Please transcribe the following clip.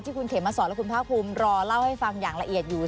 คุณเขมมาสอนและคุณภาคภูมิรอเล่าให้ฟังอย่างละเอียดอยู่